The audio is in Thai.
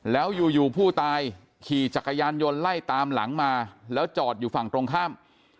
แล้วอยู่ผู้ตายขี่จักรยานยนต์ไล่ตามหลังมาแล้วจอดอยู่ฝั่งตรงข้าม